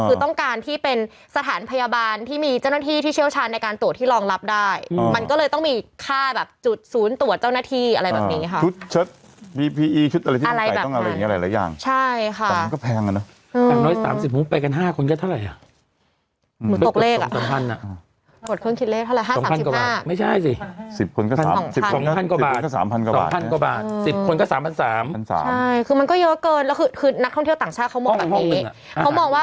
คือต้องการที่เป็นสถานพยาบาลที่มีเจ้าหน้าที่ที่เชี่ยวชาญในการตรวจที่รองรับได้อืม